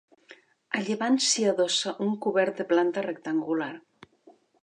A llevant s'hi adossa un cobert de planta rectangular.